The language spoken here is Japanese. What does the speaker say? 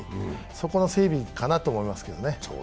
そこの整備かなと思います。